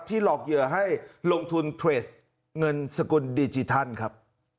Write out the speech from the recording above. หลอกเหยื่อให้ลงทุนเทรดเงินสกุลดิจิทัลครับ